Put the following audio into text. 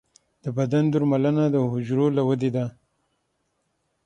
د بدن درملنه د حجرو له ودې ده.